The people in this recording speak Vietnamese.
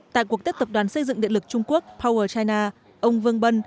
tại cuộc tiết tập đoàn xây dựng điện lực trung quốc power china ông vương bân